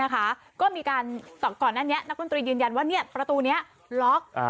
ก็มีการก่อนหน้านี้นักดนตรียืนยันว่าประตูนี้ล็อก